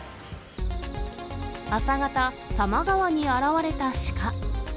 朝方、多摩川に現れたシカ。